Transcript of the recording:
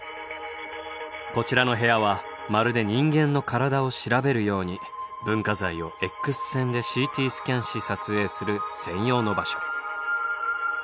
こちらの部屋はまるで人間の体を調べるように文化財をＸ線でＣＴスキャンし撮影する専用の場所。